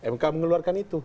mk mengeluarkan itu